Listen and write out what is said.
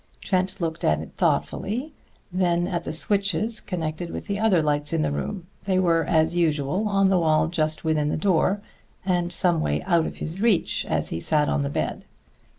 Trent looked at it thoughtfully, then at the switches connected with the other lights in the room. They were, as usual, on the wall just within the door, and some way out of his reach as he sat on the bed.